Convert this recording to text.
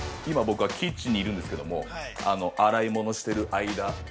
今僕は、キッチンにいるんですけど、洗い物してる間。